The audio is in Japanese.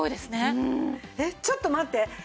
えっちょっと待って。